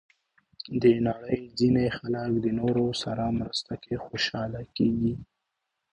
د نړۍ ځینې خلک د نورو سره مرسته کې خوشحاله کېږي.